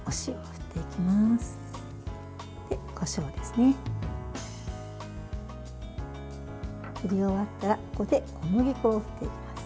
振り終わったら小麦粉を振っていきます。